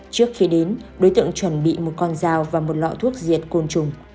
trước khi đến đối tượng chuẩn bị một con dao và một lọ thuốc diệt côn trùng